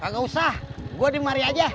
gak usah gue dimari aja